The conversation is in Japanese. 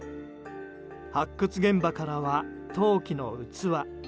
発掘現場からは陶器の器。